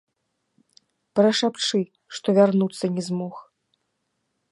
Прашапчы, што вярнуцца не змог.